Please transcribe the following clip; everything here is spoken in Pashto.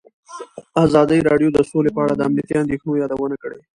ازادي راډیو د سوله په اړه د امنیتي اندېښنو یادونه کړې.